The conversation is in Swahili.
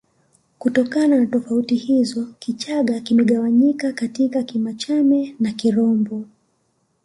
Kutokana na tofauti hizo Kichagga kimegawanyika katika Kimachamena Kirombo